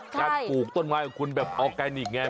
การกลูกต้นไม้ของคุณแบบออร์แกนิกงาน